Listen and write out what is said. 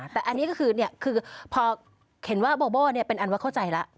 แต่อันนี้ก็คือเนี่ยคือพอเห็นว่าโบโบเนี่ยเป็นอันว่าเข้าใจแล้ว